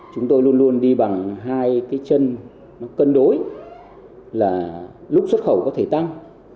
chúng tôi luôn luôn đi bằng hai chân cân đối là lúc xuất khẩu có thể tăng